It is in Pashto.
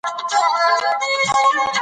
ښوونکي د نوي نسل روزونکي دي.